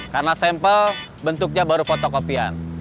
karena sampel bentuknya baru foto kopian